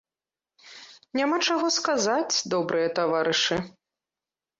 Няма чаго сказаць, добрыя таварышы!